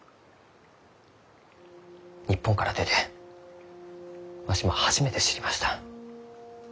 日本から出てわしも初めて知りました。